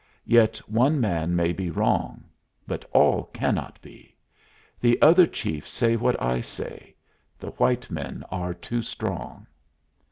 Yet one man may be wrong. But all cannot be. The other chiefs say what I say. The white men are too strong."